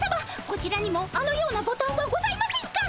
こちらにもあのようなボタンはございませんか？